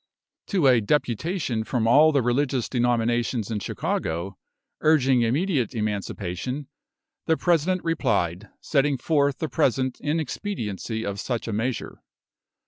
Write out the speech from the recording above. To a deputation from all the religious denominations in Chicago, urging immediate emancipation, the President replied, setting forth the present inexpediency of such a measure.